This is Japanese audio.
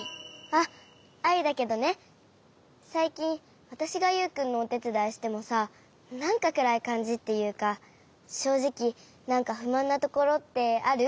あっアイだけどねさいきんわたしがユウくんのおてつだいしてもさなんかくらいかんじっていうかしょうじきなんかふまんなところってある？